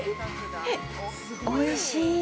おいしい！